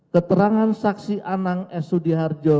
keterangan saksi anang esudiharjo